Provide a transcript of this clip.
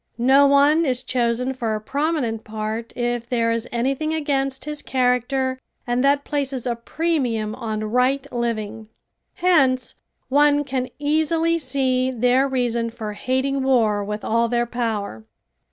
No one is chosen for a prominent part if there is anything against his character and that places a premium on right living. Hence one can easily see their reason for hating war with all their power.